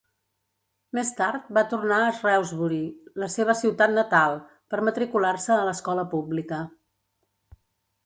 Més tard va tornar a Shrewsbury, la seva ciutat natal, per matricular-se a l'escola pública.